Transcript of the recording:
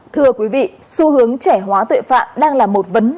thưa quý vị xu hướng trẻ hóa tuệ phạm đang là một vấn nạn